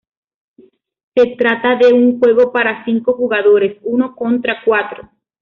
Se trata de un juego para cinco jugadores, uno contra cuatro.